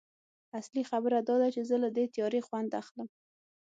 اصلي خبره دا ده چې زه له دې تیارې خوند اخلم